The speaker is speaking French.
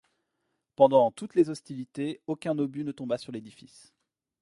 Pendant toutes les hostilités, aucun obus ne tomba sur l'édifice.